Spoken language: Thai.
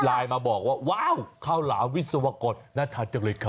ไลน์มาบอกว่าว้าวข้าวหลามวิศวกรน่าทานจังเลยครับ